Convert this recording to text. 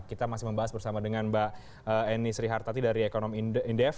kita masih membahas bersama dengan mbak eni srihartati dari ekonom indef